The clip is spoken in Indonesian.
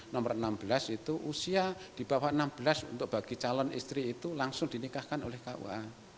nomor enam belas itu usia di bawah enam belas untuk bagi calon istri itu langsung dinikahkan oleh kua